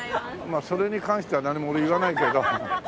まあそれに関しては何も俺言わないけど。